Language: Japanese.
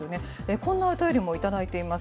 こんなお便りも頂いています。